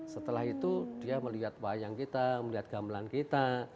setelah itu dia melihat wayang kita melihat gamelan kita